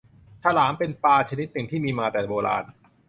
ฉลามเป็นปลาชนิดหนึ่งที่มีมาแต่โบราณ